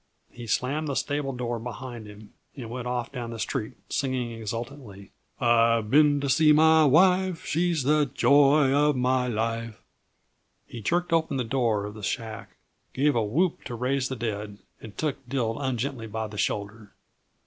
He slammed the stable door behind him and went off down the street, singing exultantly: " I have been to see my wife, She's the joy of my life " He jerked open the door of the shack, gave a whoop to raise the dead, and took Dill ungently by the shoulder.